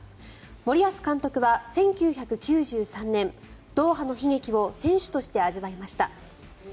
森保監督は１９９３年ドーハの悲劇を選手として味わいました。